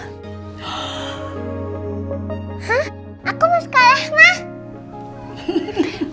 hah aku mau sekolah mah